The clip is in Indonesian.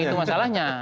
memang itu masalahnya